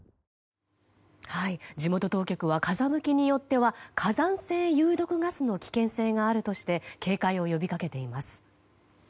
地元当局は風向きによっては火山性有毒ガスの危険性があるとして警戒を呼びかけています。